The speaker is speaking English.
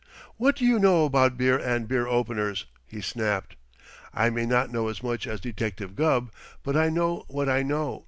"What do you know about beer and beer openers?" he snapped. "I may not know as much as Detective Gubb, but I know what I know!"